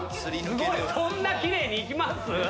そんな奇麗にいきます？